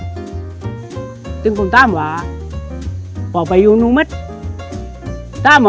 ปกติก่อนที่ไปอยู่ที่นู่น